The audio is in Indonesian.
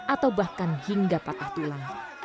atau bahkan hingga patah tulang